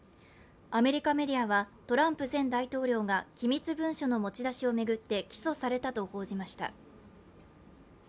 アメリカメディアはトランプ前大統領が機密文書の持ち出しを巡って起訴されたと報じました。